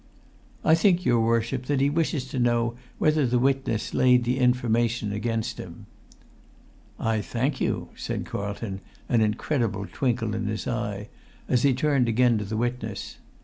"I think, your worship, that he wishes to know whether the witness laid the information against him." "I thank you," said Carlton, an incredible twinkle in his eye, as he again turned to the witness.